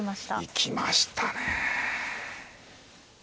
行きましたね。